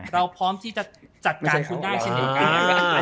เราพร้อมที่จะจัดการคุณได้ใช่ไหม